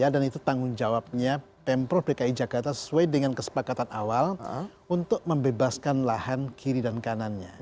dan itu tanggung jawabnya pemprov dki jakarta sesuai dengan kesepakatan awal untuk membebaskan lahan kiri dan kanannya